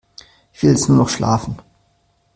Ich will jetzt nur noch schlafen.